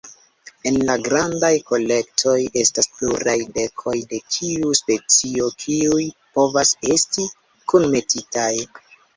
En la grandaj kolektoj, estas pluraj dekoj de ĉiu specio kiuj povas esti kunmetitaj.